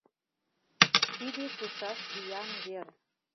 Тиде шушаш виян вер